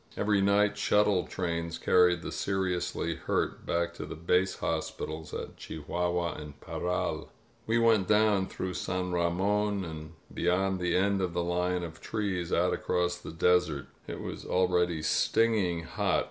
Every night shuttle trains car ried the seriously hurt back to the base hospitals at Chihuahua and Parral. We went down through San Ramon and beyond the end of the line of trees out across the desert. It was 343 INSUKGENT MEXICO already stinging hot.